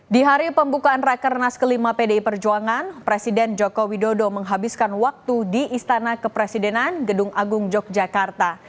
di hari pembukaan rakernas kelima pdi perjuangan presiden joko widodo menghabiskan waktu di istana kepresidenan gedung agung yogyakarta